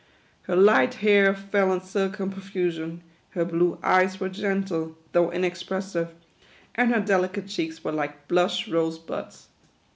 Her light hair fell in silken profusion, her blue eyes were gentle, though inexpressive, and her delicate cheeks were like blush rose buds.